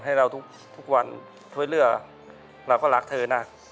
ในเราทุกทุกวันถ้วยเรือเราก็รักเธอนะ